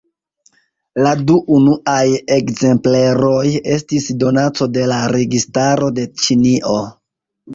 La du unuaj ekzempleroj estis donaco de la registaro de Ĉinio.